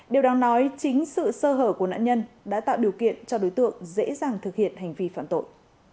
điều đáng nói chính sự sơ hở của nạn nhân đã tạo điều kiện cho đối tượng dễ dàng thực hiện hành vi phạm tội